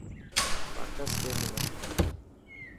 باڪس ڏي منا.